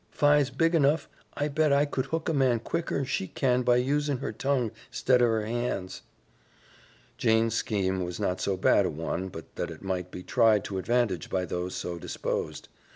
'Fi's big anuf I bet I could hook a man quicker'n she can by usin' her tongue 'stead of her hands." Jane's scheme was not so bad a one but that it might be tried to advantage by those so disposed.